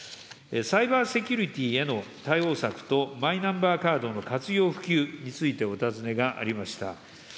サイバーセキュリティーへの対応策と、マイナンバーカードの活用、普及についてお尋ねがありました。